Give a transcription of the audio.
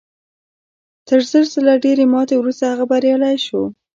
تر زر ځله ډېرې ماتې وروسته هغه بریالی شو